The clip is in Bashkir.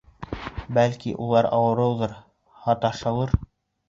— Бәлки, улар ауырыуҙыр, һаташалыр...